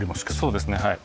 そうですねはい。